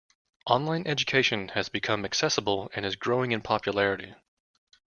Online Education has become accessible and is growing in popularity.